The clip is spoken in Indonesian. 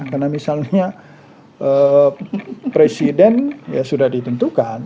karena misalnya presiden ya sudah ditentukan